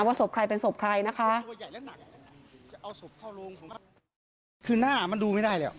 ว่าศพใครเป็นศพใครนะคะ